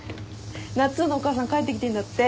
なっつんのお母さん帰ってきてんだって。